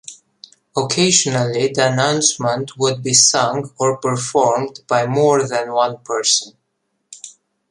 Occasionally the announcement would be sung, or performed by more than one person.